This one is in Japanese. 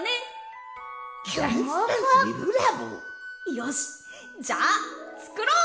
よしじゃあつくろう！